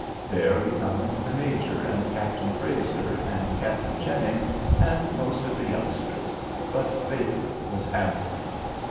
There we found the major, and Captain Frazer, and Captain Jennings, and most of the youngsters, but Baker was absent.